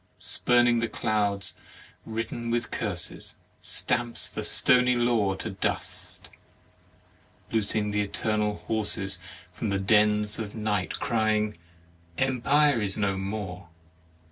Spuming the clouds written 45 THE MARRIAGE OF with curses, stamps the stony law to dust, loosing the eternal horses from the dens of night, crying: "Empire is no more!